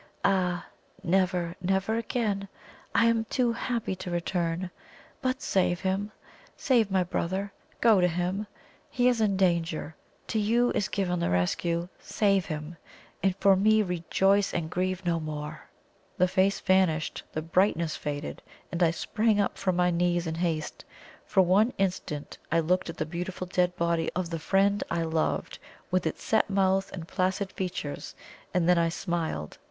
Ah, never, never again! I am too happy to return. But save him save my brother! Go to him; he is in danger; to you is given the rescue. Save him; and for me rejoice, and grieve no more!" The face vanished, the brightness faded, and I sprang up from my knees in haste. For one instant I looked at the beautiful dead body of the friend I loved, with its set mouth and placid features, and then I smiled.